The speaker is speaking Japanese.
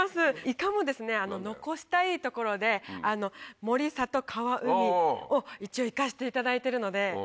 いかも「残したいトコロ」で森里川海を一応行かせていただいてるので。